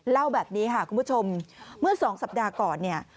เล่าแบบนี้ค่ะคุณผู้ชมเมื่อ๒สัปดาห์ก่อนเนี่ย